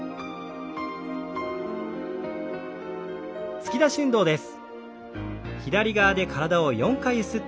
突き出し運動です。